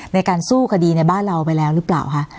ในการสู้คดีในบ้านเราไปแล้วหรือเปล่าคะ